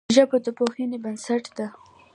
ژبه د پوهې بنسټ ده